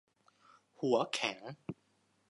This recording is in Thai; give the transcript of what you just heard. หัวแข็ง